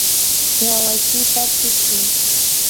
wawaykita chuchuy.